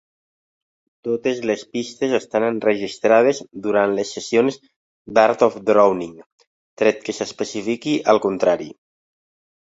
Totes les pistes estan enregistrades durant les sessions d'"Art of Drowning", tret que s'especifiqui el contrari.